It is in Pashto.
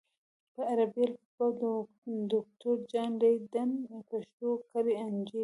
په عربي الفبا د دوکتور جان لیدن پښتو کړی انجیل